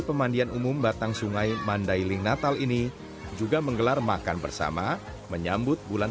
pemandian umum batang sungai mandailing natal ini juga menggelar makan bersama menyambut bulan